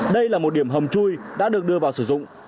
đây là một điểm hầm chui đã được đưa vào sử dụng